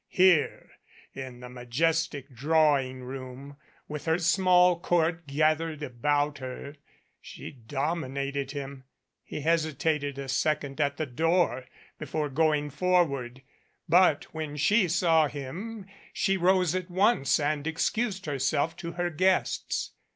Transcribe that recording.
Here in the majestic drawing room, with her small court gathered about her, she dominated him. He hesitated a second at the door before going forward, but when she saw him she rose at once and excused herself to her guests.